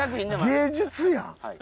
芸術やん。